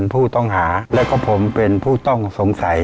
ผู้ต้องหากับผู้ต้องสงสัย